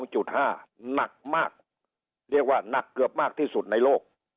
หนักมากเรียกว่าหนักเกือบมากที่สุดในโลก